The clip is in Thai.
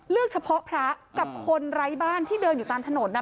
เฉพาะพระกับคนไร้บ้านที่เดินอยู่ตามถนน